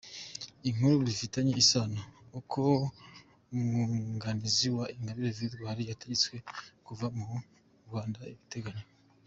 Inkuru bifitanye isano: Uko ‘umwunganizi’ wa Ingabire Victoire yategetswe kuva mu Rwanda igitaraganya.